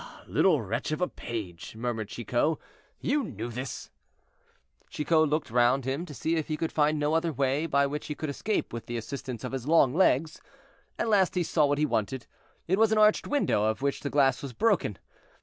"Ah! little wretch of a page," murmured Chicot, "you knew this." Chicot looked round him to see if he could find no other way by which he could escape with the assistance of his long legs. At last he saw what he wanted: it was an arched window, of which the glass was broken.